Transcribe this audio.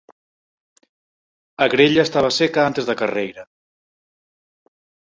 A grella estaba seca antes da carreira.